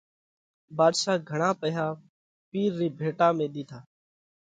ڀاڌشا گھڻا پئِيها پِير رِي ڀيٽا ۾ ۮِيڌا۔